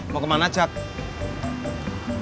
mau kemana jack